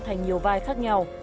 thành nhiều vai khác nhau